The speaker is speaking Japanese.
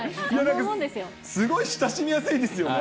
それだけすごい親しみやすいですよね。